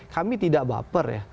kami tidak baper ya